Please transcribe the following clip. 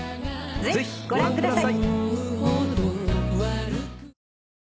ぜひご覧ください。